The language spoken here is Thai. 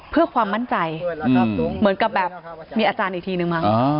เพื่อความมั่นใจเหมือนกับแบบมีอาจารย์อีกทีนึงมั้ง